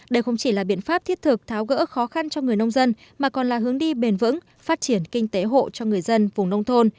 đây không chỉ là biện pháp thiết thực tháo gỡ khó khăn cho người nông dân mà còn là hướng đi bền vững phát triển kinh tế hộ cho người dân vùng nông thôn